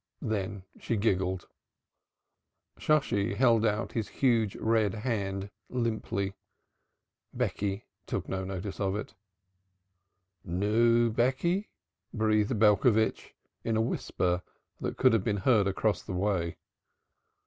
Then she giggled. Shosshi held out his huge red hand limply. Becky took no notice of it. "Nu, Becky!" breathed Belcovitch, in a whisper that could have been heard across the way.